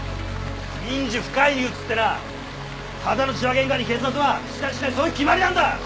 「民事不介入」つってなただの痴話ゲンカに警察は口出ししないそういう決まりなんだ！